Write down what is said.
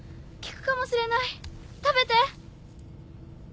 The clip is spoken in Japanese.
効くかもしれない食べて。